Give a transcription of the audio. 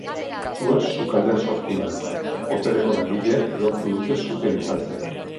Sua sukaldean sortu da eta hoteleko langileek lortu dute sutea itzaltzea.